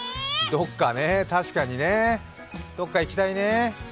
どっかね、確かにねどっか行きたいね。